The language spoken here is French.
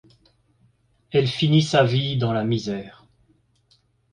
Elle finit sa vie dans la misère.